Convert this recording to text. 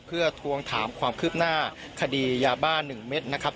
เพื่อทวงถามความคืบหน้าคดียาบ้าน๑เม็ดนะครับ